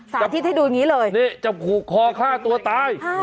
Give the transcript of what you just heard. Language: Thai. สาธิตให้ดูนี้เลยห้าตายฮะนี่จับผูกคอตัวตาย